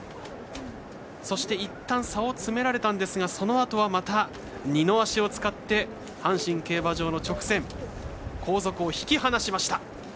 そして、いったん差を詰められたのですがそのあとはまたにの脚を使って阪神競馬場の直線後続を引き離しました。